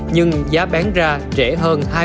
nhưng giá bán ra rẻ hơn